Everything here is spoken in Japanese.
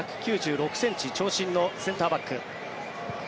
１９６ｃｍ長身のセンターバック。